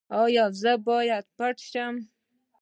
ایا زه باید پټ شم؟